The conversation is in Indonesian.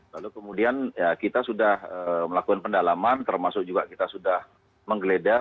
lalu kemudian kita sudah melakukan pendalaman termasuk juga kita sudah menggeledah